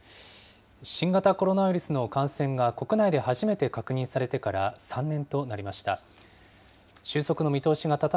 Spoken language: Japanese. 新型コロナウイルスの感染が国内で初めて確認されてから３年となりました。